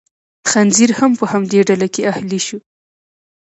خنزیر هم په همدې ډله کې اهلي شو.